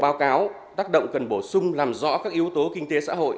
báo cáo tác động cần bổ sung làm rõ các yếu tố kinh tế xã hội